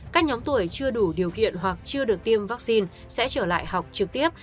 các nhóm tuổi chưa đủ điều kiện hoặc chưa được tiêm vaccine sẽ trở lại học trực tiếp